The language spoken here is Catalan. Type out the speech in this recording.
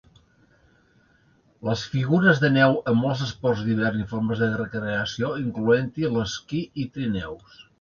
Les figures de neu en molts esports d'hivern i formes de recreació, incloent l'esquí i trineus.